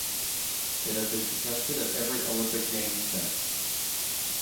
It has been contested at every Olympic Games since.